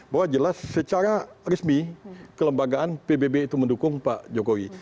bahwa jelas secara resmi kelembagaan pbb itu mendukung pak jokowi